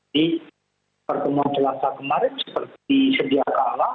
di perkembangan jelaskan kemarin seperti sedia kalah